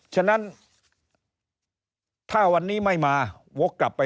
นี่คือเรื่องที่ติดตามกันอยู่